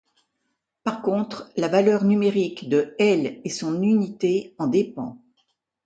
Par contre la valeur numérique de L et son unité en dépend.